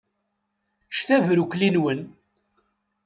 Ččet abrukli-nwen!